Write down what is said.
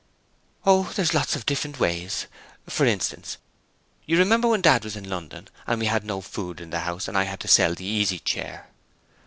'Oh, there's lots of different ways. For instance, you remember when Dad was in London, and we had no food in the house, I had to sell the easy chair.'